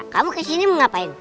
kamu ke sini mau ngapain